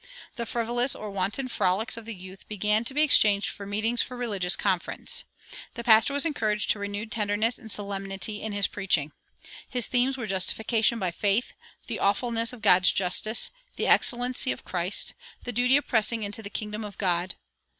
The frivolous or wanton frolics of the youth began to be exchanged for meetings for religious conference. The pastor was encouraged to renewed tenderness and solemnity in his preaching. His themes were justification by faith, the awfulness of God's justice, the excellency of Christ, the duty of pressing into the kingdom of God.